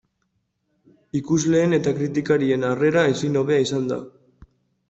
Ikusleen eta kritikarien harrera ezin hobea izan da.